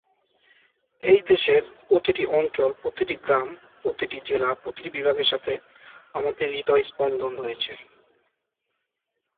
তার ছোট ভাই মার্চ মাসে মৃত্যুবরণ করে।